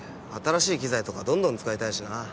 新しい機材とかどんどん使いたいしな。